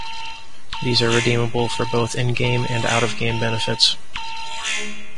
These are redeemable for both in-game and out-of-game benefits.